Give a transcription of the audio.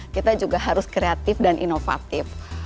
kita juga harus kreatif dan inovatif